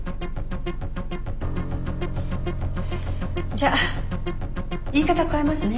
じゃあ言い方を変えますね。